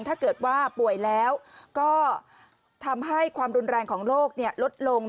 ถ้าเกิดว่าป่วยแล้วก็ทำให้ความรุนแรงของโรคลดลง